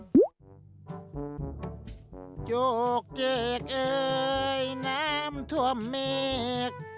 โจ๊กเกกเอ๊น้ำถวมเหม็ก